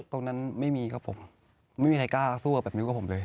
ตรงนั้นไม่มีครับผมไม่มีใครกล้าสู้แบบนิ้วกับผมเลย